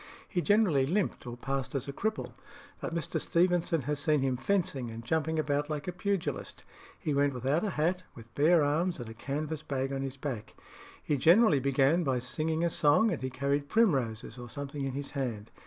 He generally limped or passed as a cripple; but Mr. Stevenson has seen him fencing and jumping about like a pugilist. He went without a hat, with bare arms, and a canvas bag on his back. He generally began by singing a song, and he carried primroses or something in his hand.